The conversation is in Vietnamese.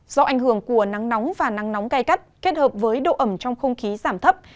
do ảnh hưởng của nắng nóng và nắng nóng gai gắt kết hợp với độ ẩm trong không khí giảm thấp